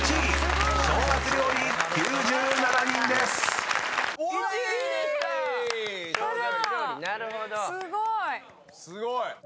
すごい！